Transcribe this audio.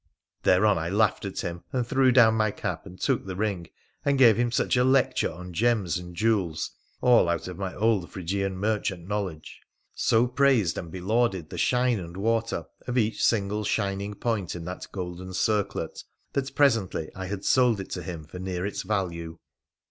Thereon I laughed at him, and threw down my cap, and took the ring, and gave him such a lecture on gems and jewels — all out of my old Phrygian merchant knowledge — so praised and belauded the shine and water of each single shin ing point in that golden circlet, that presently I had sold it to him for near its value